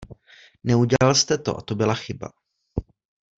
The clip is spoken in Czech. Neudělal jste to a to byla chyba.